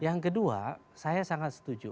yang kedua saya sangat setuju